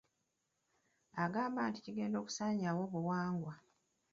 Agamba nti kigenda kusaanyaawo obuwangwa.